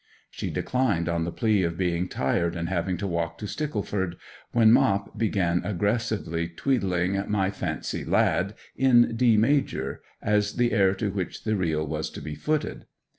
She declined on the plea of being tired and having to walk to Stickleford, when Mop began aggressively tweedling 'My Fancy Lad,' in D major, as the air to which the reel was to be footed.